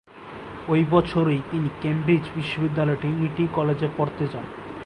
ওই বছরই তিনি কেমব্রিজ বিশ্ববিদ্যালয়ের ট্রিনিটি কলেজে পড়তে যান।